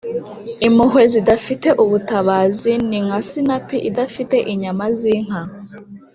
impuhwe zidafite ubutabazi ni nka sinapi idafite inyama zinka